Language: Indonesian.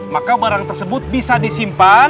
maka barang tersebut bisa disimpan